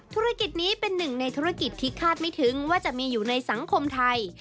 ธุรกิจนี้เป็นหนึ่งในธุรกิจที่คาดไม่ถึงว่าจะมีอยู่ในสังคมไทย